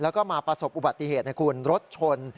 แล้วก็มาประสบอุบัติเหตุนะคุณรถชน